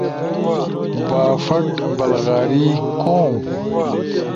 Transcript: بافٹ، بلغاری، کوم